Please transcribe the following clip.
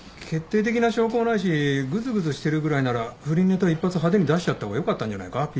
決定的な証拠もないしぐずぐずしてるぐらいなら不倫ネタ一発派手に出しちゃった方が良かったんじゃないか？